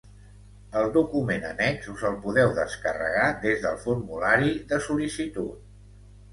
El document annex, us el podeu descarregar des del formulari de sol·licitud.